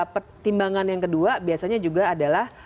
pertimbangan yang kedua biasanya juga adalah